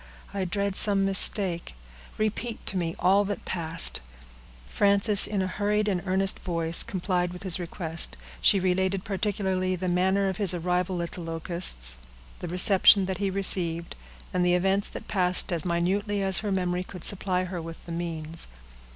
I dread some mistake; repeat to me all that passed." Frances, in a hurried and earnest voice, complied with his request. She related particularly the manner of his arrival at the Locusts, the reception that he received, and the events that passed as minutely as her memory could supply her with the means.